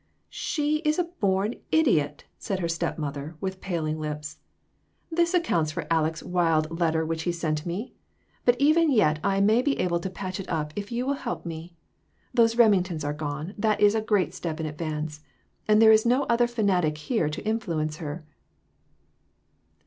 "She is a born idiot!" sai.d her step mother, with paling lips. "This accounts for Aleck's 422 J. S. fc. wild letter which he sent me ; but even yet I may be able to patch it up, if you will help me. Those Remingtons are gone ; that is a great step in advance ; and there is no other fanatic here to influence her."